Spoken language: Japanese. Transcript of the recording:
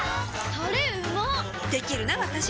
タレうまっできるなわたし！